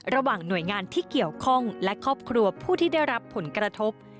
ระหว่างหน่วยงานที่เกี่ยวข้องและครอบครัวผู้ที่ได้รับผลกระทบ